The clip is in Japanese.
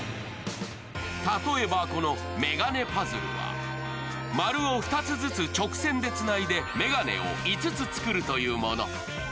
例えば、このめがねパズルは、○を２つずつ直線でつないで眼鏡を５つ作るというもの。